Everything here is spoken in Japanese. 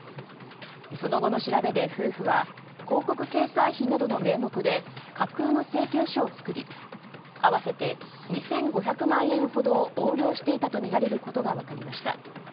その後の調べで夫婦は広告掲載費などの名目で広告掲載費の名目で架空の請求書を作り合わせて２５００万円ほどを横領していたとみられることが分かりました。